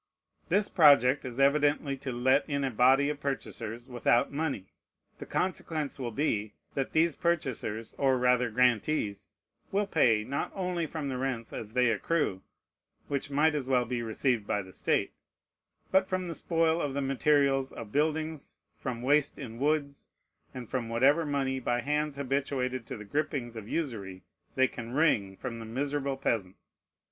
This project is evidently to let in a body of purchasers without money. The consequence will be, that these purchasers, or rather grantees, will pay, not only from the rents as they accrue, which might as well be received by the state, but from the spoil of the materials of buildings, from waste in woods, and from whatever money, by hands habituated to the gripings of usury, they can wring from the miserable peasant.